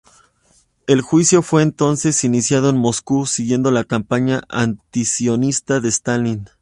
El juicio fue entonces iniciado en Moscú, siguiendo la campaña antisionista de Stalin.